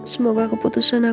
semoga keputusanmu akan berjaya